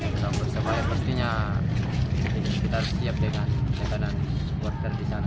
pertama tama yang pastinya kita harus siap dengan kebenaran supporter di sana